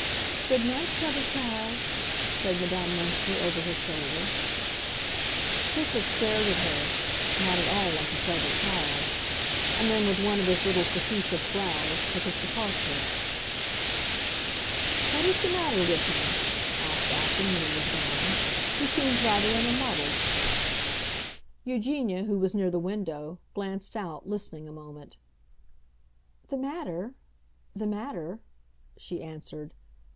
"Good night, clever child!" said Madame Münster, over her shoulder. Clifford stared at her—not at all like a clever child; and then, with one of his little facetious growls, took his departure. "What is the matter with him?" asked Acton, when he was gone. "He seemed rather in a muddle." Eugenia, who was near the window, glanced out, listening a moment. "The matter—the matter"—she answered.